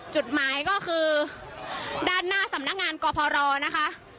จุดหมายก็คือด้านหน้าสำนักงานกพรนะคะ